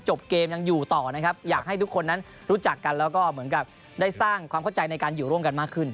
เกมยังอยู่ต่อนะครับอยากให้ทุกคนนั้นรู้จักกันแล้วก็เหมือนกับได้สร้างความเข้าใจในการอยู่ร่วมกันมากขึ้น